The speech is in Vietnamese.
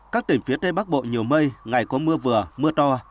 các tỉnh phía tây bắc bộ nhiều mây ngày có mưa vừa mưa to